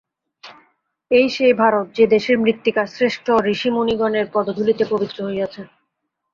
এই সেই ভারত, যে দেশের মৃত্তিকা শ্রেষ্ঠ ঋষিমুনিগণের পদধূলিতে পবিত্র হইয়াছে।